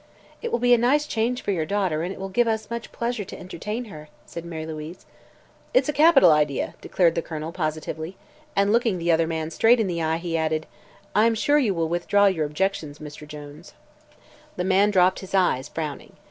"It will be a nice change for your daughter and it will give us much pleasure to entertain her," said Mary Louise. "It's a capital idea," declared the Colonel positively, and looking the other man straight in the eye he added: "I am sure you will withdraw your objections, Mr. Jones." The man dropped his eyes, frowning.